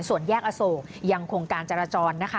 ส่วนแยกอโศกยังคงการจราจรนะคะ